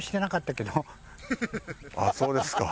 あっそうですか。